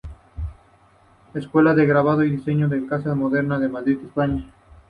Escuela de Grabado y Diseño, Casa de la Moneda, Madrid, España.